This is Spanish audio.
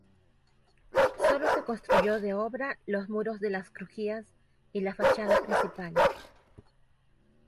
Sólo se construyó de obra los muros de las crujías y la fachada principal.